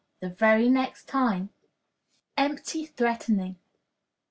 The very next time!" Empty Threatening.